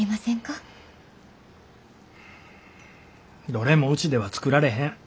どれもうちでは作られへん。